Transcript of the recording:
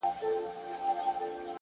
نیک عمل د خلکو په زړونو کې پاتې کېږي!